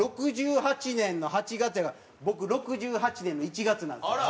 ６８年の８月やから僕６８年の１月なんですよ。